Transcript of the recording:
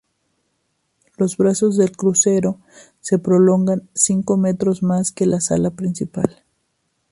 Los brazos del crucero se prolongan solo cinco metros más que la sala principal.